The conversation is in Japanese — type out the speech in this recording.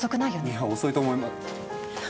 いや遅いと思いま。